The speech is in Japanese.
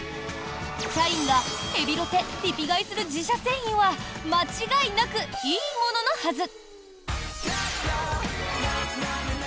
社員がヘビロテ・リピ買いする自社製品は間違いなく、いいもののはず！